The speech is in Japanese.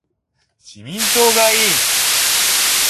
自民党がいい